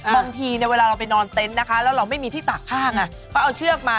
บางทีเวลาเราไปนอนเต็นต์นะคะแล้วเราไม่มีที่ตากข้างเขาเอาเชือกมา